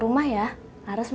suatu hari udah